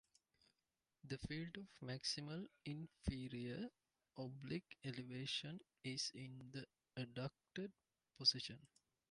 The field of maximal inferior oblique elevation is in the adducted position.